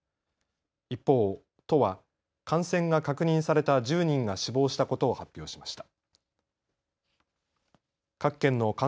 一方、都は感染が確認された１０人が死亡したことを発表しました。